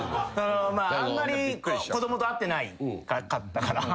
あんまり子供と会ってなかったから。